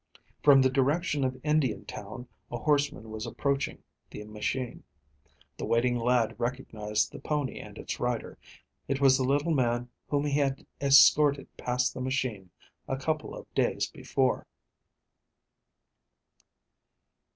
From the direction of Indiantown, a horseman was approaching the machine. The waiting lad recognized the pony and its rider. It was the little man whom he had escorted past the machine a couple of days before.